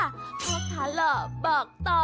พ่อค้าหล่อบอกต่อ